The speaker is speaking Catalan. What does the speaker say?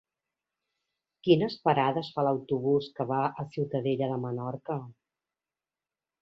Quines parades fa l'autobús que va a Ciutadella de Menorca?